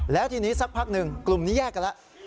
แล้วทีนี้สักพักหนึ่งกลุ่มนี้แยกกันแล้ว